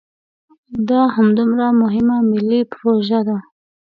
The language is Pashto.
دا همدومره مهمه ملي پروژه ده.